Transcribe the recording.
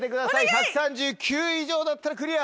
１３９以上だったらクリア。